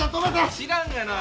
知らんがな。